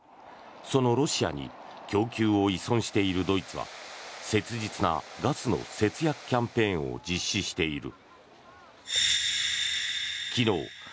そのロシアに供給を依存しているドイツは切実なガスの節約キャンペーンを実施している。